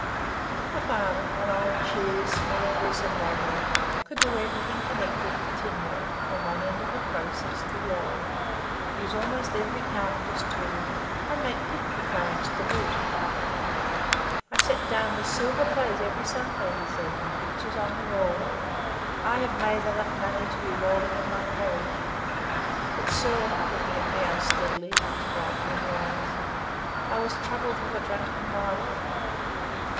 The father, an old, cheery, small piece of man hood, could do everything connected with tinwork from one end of the process to the other, use almost every carpenter's tool, and make picture frames to boot. 'I sat down with silver plate every Sunday,' said he, 'and pictures on the wall. I have made enough money to be rolling in my carriage. But, sir,' looking at me unsteadily with his bright rheumy eyes, 'I was troubled with a drunken wife.